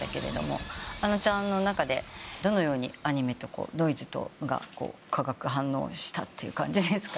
あのちゃんの中でどのようにアニメとノイズとが化学反応した感じですか？